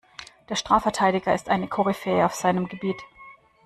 Der Strafverteidiger ist eine Koryphäe auf seinem Gebiet.